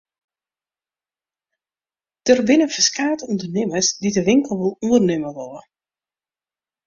Der binne ferskate ûndernimmers dy't de winkel wol oernimme wolle.